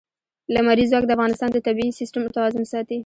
لمریز ځواک د افغانستان د طبعي سیسټم توازن ساتي.